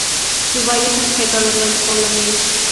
Su valle es objeto de lento poblamiento.